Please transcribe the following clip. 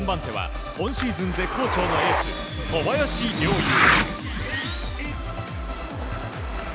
今シーズン絶好調のエース小林陵侑。